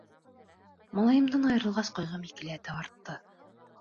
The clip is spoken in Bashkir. Малайымдан айырылғас, ҡайғым икеләтә артты.